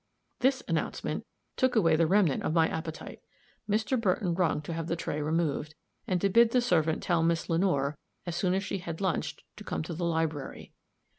This announcement took away the remnant of my appetite. Mr. Burton rung to have the tray removed, and to bid the servant tell Miss Lenore, as soon as she had lunched, to come to the library.